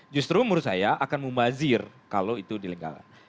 justru menurut saya akan memazir kalau itu dilenggarkan